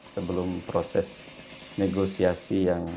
sebelum proses negosiasi yang